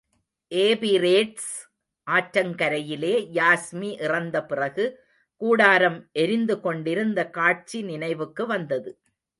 ஏபிரேட்ஸ் ஆற்றங்கரையிலே யாஸ்மி இறந்த பிறகு, கூடாரம் எரிந்து கொண்டிருந்த காட்சி நினைவுக்கு வந்தது.